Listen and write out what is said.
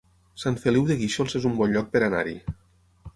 Sant Feliu de Guíxols es un bon lloc per anar-hi